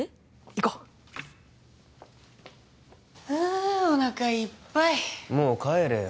行こうあおなかいっぱいもう帰れよ